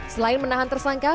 selain menahan tersangka